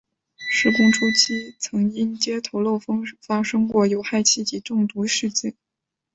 施工初期曾因接头漏风发生过有害气体中毒事故。